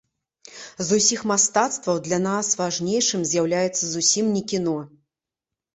З усіх мастацтваў для нас важнейшым з'яўляецца зусім не кіно.